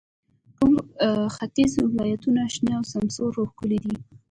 ټول ختیځ ولایتونو شنه، سمسور او ښکلي دي.